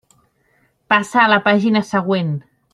Passa a la pàgina següent.